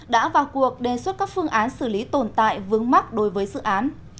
đã vào cuộc đề xuất các phương án xử lý tồn tại vướng mắc đối với dự án